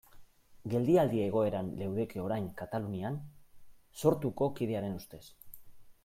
Geldialdi egoeran leudeke orain Katalunian Sortuko kidearen ustez.